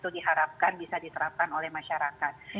itu diharapkan bisa diterapkan oleh masyarakat